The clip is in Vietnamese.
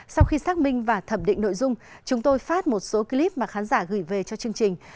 sau khi xác minh và thẩm định nội dung chúng tôi phát một số clip mà khán giả gửi về cho chương trình